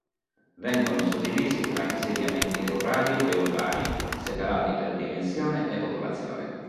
Vengono suddivisi tra insediamenti rurali e urbani, separati per dimensione e popolazione.